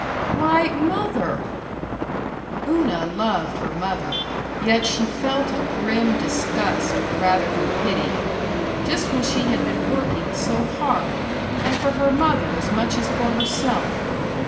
"Why, mother " Una loved her mother, yet she felt a grim disgust, rather than pity.... Just when she had been working so hard! And for her mother as much as for herself....